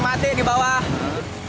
mati di bawah